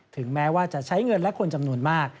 ถึงแม้ว่าจะใช้เงินและคนจำนวนมาก